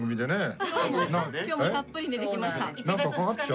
今日もたっぷり寝てきました。